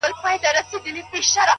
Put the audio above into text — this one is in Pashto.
چي يوه لپه ښكلا يې راته راكړه ـ